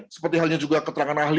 seperti halnya juga keterangan ahli